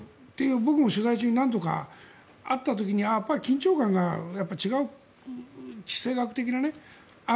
僕も取材中に何度かあった時に緊張感が違う地政学的な、ある。